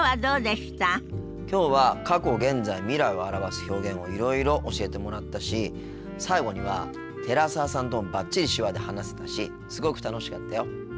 きょうは過去現在未来を表す表現をいろいろ教えてもらったし最後には寺澤さんともバッチリ手話で話せたしすごく楽しかったよ。